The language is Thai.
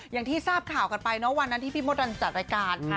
อย่างที่ทราบข่าวกันไปนะวันนั้นที่พี่มดดันจัดรายการค่ะ